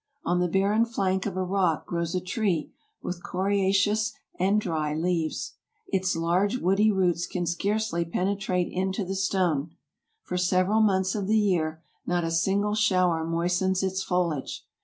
On the barren flank of a rock grows a tree with coriaceous and dry leaves. Its large woody roots can scarcely penetrate into the stone. For several months of the year not a single shower moistens its foliage.